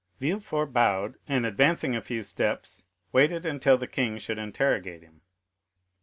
Villefort bowed, and advancing a few steps, waited until the king should interrogate him.